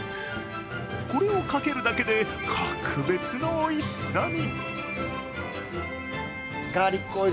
これをかけるだけで、格別のおいしさに。